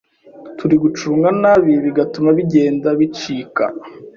turi gucunga nabi bigatuma bigenda bicika.